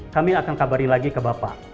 kami akan kabarin lagi ke bapak